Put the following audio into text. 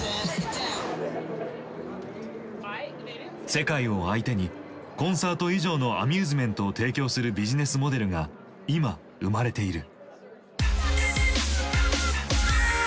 世界を相手にコンサート以上のアミューズメントを提供するビジネスモデルが今生まれている。